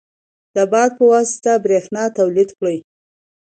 د باد په واسطه برېښنا تولید کړئ.